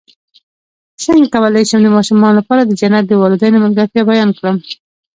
څنګه کولی شم د ماشومانو لپاره د جنت د والدینو ملګرتیا بیان کړم